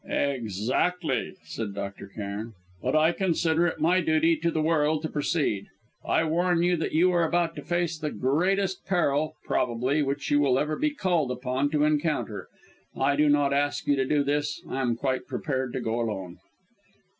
"Exactly!" said Dr. Cairn. "But I consider it my duty to the world to proceed. I warn you that you are about to face the greatest peril, probably, which you will ever be called upon to encounter. I do not ask you to do this. I am quite prepared to go alone."